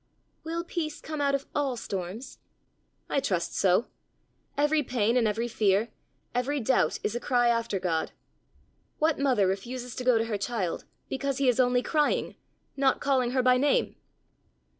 "Will peace come out of all storms?" "I trust so. Every pain and every fear, every doubt is a cry after God. What mother refuses to go to her child because he is only crying not calling her by name!"